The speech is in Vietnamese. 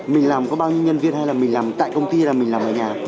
mình làm có bao nhiêu nhân viên hay là mình làm tại công ty là mình làm ở nhà